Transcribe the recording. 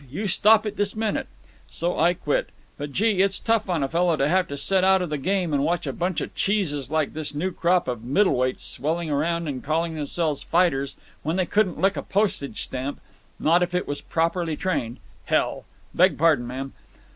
You stop it this minute.' So I quit. But gee! It's tough on a fellow to have to sit out of the game and watch a bunch of cheeses like this new crop of middle weights swelling around and calling themselves fighters when they couldn't lick a postage stamp, not if it was properly trained. Hell! Beg pardon, ma'am."